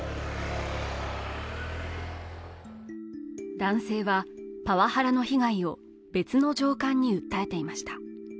男性はパワハラの被害を別の上官に訴えていました。